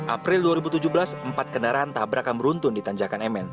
april dua ribu tujuh belas empat kendaraan tabrakan beruntun di tanjakan mn